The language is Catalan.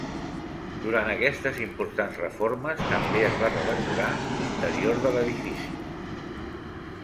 Durant aquestes importants reformes també es va redecorar l'interior de l'edifici.